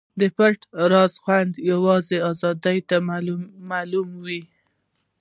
د پټ راز خوند یوازې رازدار ته معلوم وي.